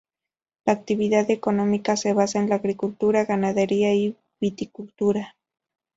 La actividad económica se basa en la agricultura, ganadería, y viticultura.